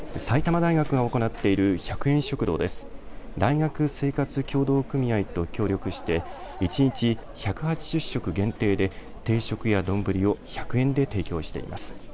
大学生活協同組合と協力して一日１８０食限定で定食やどんぶりを１００円で提供しています。